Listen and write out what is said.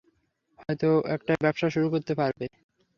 হয়তো একটা ব্যবসা শুরু করতে পারবে।